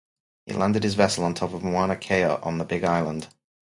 He landed his vessel on top of Mauna Kea on the Big Island.